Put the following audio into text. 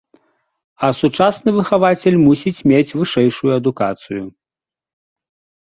А сучасны выхавацель мусіць мець вышэйшую адукацыю.